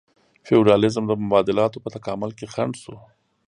فیوډالیزم د مبادلاتو په تکامل کې خنډ شو.